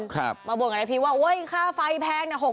มาบ่นกับนายพิษว่าเว้ยค่าไฟแพง